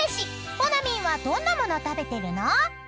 ［ほなみんはどんな物食べてるの？］